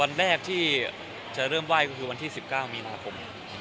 วันแรกที่จะเริ่มไหว้ก็คือวันที่๑๙มีนาคม